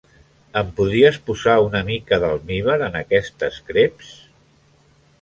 Em podries posar una mica d'almívar en aquestes creps?